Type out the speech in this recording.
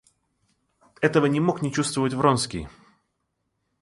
Этого не мог не чувствовать Вронский.